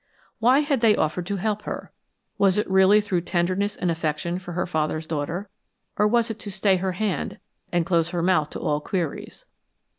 Why had they offered to help her? Was it really through tenderness and affection for her father's daughter, or was it to stay her hand and close her mouth to all queries?